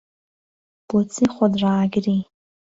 بۆچی خۆت ڕائەگری؟